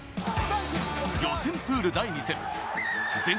予選プール第２戦。